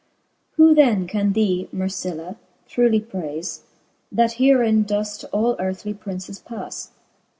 Who then can thee, Mercilla, throughly prayfe. That herin doeft all earthly Princes pas ?